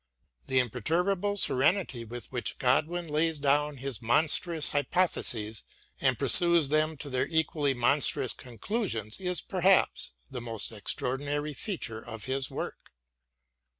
The imperturbable serenity with which Godwin lays down his monstrous hypo theses and pursues them to their equally monstrous conclusions is perhaps the most extraordinary feature of his work.